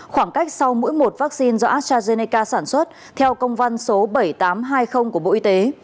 khoảng cách sau mỗi một vaccine do astrazeneca sản xuất theo công văn số bảy nghìn tám trăm hai mươi của bộ y tế